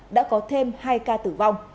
đã có thêm hai ca tử vong